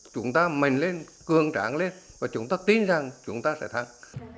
chúng ta mềm lên cường trảng lên và chúng ta tin rằng chúng ta sẽ thắng